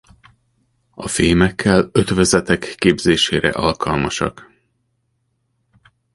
A fémekkel ötvözetek képzésére alkalmasak.